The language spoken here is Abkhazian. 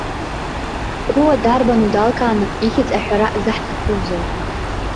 Руа дарбану далкааны ихьӡ аҳәара заҳҭахузеи.